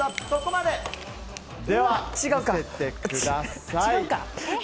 では、見せてください。